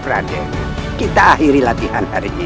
pusaka keris mata dua